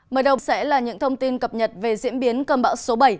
mở đầu sẽ là những thông tin cập nhật về diễn biến cầm bão số bảy